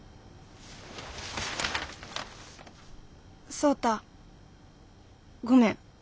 「創太ごめん。